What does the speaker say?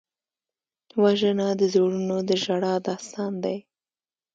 وژنه د زړونو د ژړا داستان دی